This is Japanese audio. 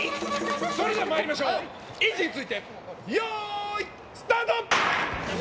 それでは参りましょう位置について、よーい、スタート！